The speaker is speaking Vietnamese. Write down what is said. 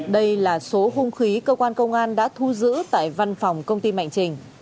đây là số hung khí cơ quan công an đã thu giữ tại văn phòng công ty mạnh trình